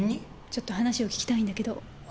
ちょっと話を聞きたいんだけど。